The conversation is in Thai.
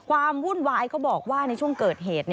ว่าหุ้นวายก็บอกว่าในช่วงเกิดเหตุ